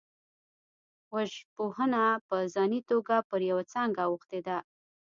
وژژبپوهنه په ځاني توګه پر یوه څانګه اوښتې ده